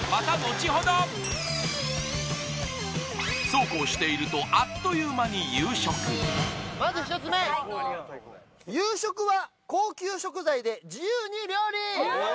そうこうしているとあっという間に夕食「夕食は高級食材で自由に料理」